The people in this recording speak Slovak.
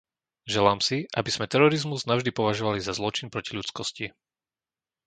Želám si, aby sme terorizmus navždy považovali za zločin proti ľudskosti.